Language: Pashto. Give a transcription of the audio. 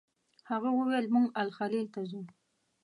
هغه وویل موږ الخلیل ته ځو.